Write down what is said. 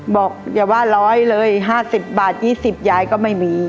บอกอย่าว่าร้อยเลย๕๐บาท๒๐ยายก็ไม่มี